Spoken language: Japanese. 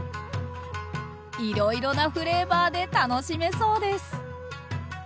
いろいろなフレーバーで楽しめそうです！